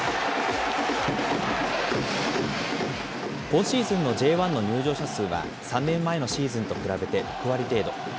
今シーズンのＪ１の入場者数は、３年前のシーズンと比べて６割程度。